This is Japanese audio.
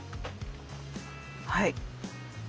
はい。